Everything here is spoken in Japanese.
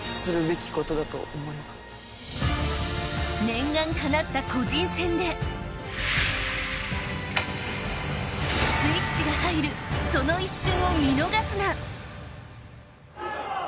念願かなった個人戦でスイッチが入るその一瞬を見逃すな。